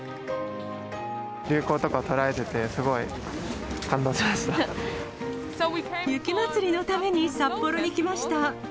流行とか捉えてて、すごい感雪まつりのために札幌に来ました。